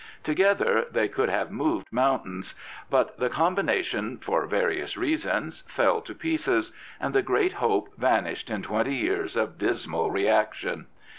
Together they could have moved mountains. But the combination, for various reasons, fell to pieces, and the great hope vanished in twenty years of dismal reaction.